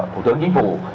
thủ tướng chính phủ